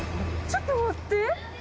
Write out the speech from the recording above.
ちょっと待って。